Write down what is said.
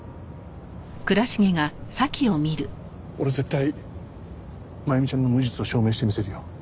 俺絶対真弓ちゃんの無実を証明してみせるよ。